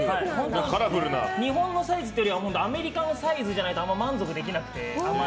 日本のサイズというよりはアメリカのサイズじゃないと満足できなくて。